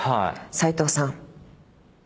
斎藤さん。